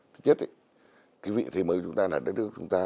thứ nhất cái vị thế mới của chúng ta là đất nước của chúng ta